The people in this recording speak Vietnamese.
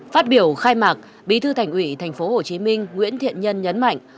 phát biểu khai mạc bí thư thành ủy tp hcm nguyễn thiện nhân nhấn mạnh